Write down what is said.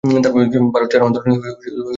ভারত ছাড়ো আন্দোলনে তিনি যোগদান করেন।